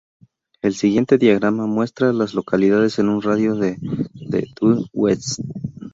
El siguiente diagrama muestra a las localidades en un radio de de Due West.